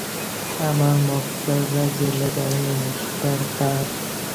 আমার মক্কেলরা জেলে যায় না, মিঃ কার।